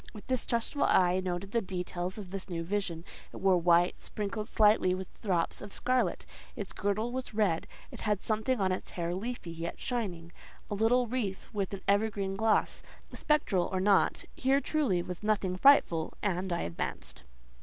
With distrustful eye I noted the details of this new vision. It wore white, sprinkled slightly with drops of scarlet; its girdle was red; it had something in its hair leafy, yet shining—a little wreath with an evergreen gloss. Spectral or not, here truly was nothing frightful, and I advanced.